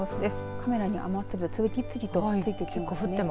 カメラに雨粒、次々と付いていますね。